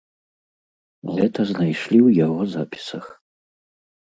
Гэта знайшлі ў яго запісах.